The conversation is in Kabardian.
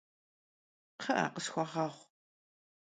Kxhı'e, khısxueğueğu!